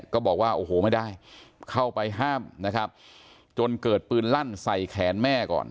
ก็บอกว่าโอ้โหไม่ได้เข้าไปห้ามนะครับจนเกิดปืนลั่นใส่แขนแม่ก่อน